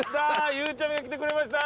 ゆうちゃみが来てくれました